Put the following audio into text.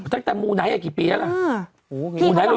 ตั้งแต่หมู่ไหนกี่ปีแล้วล่ะ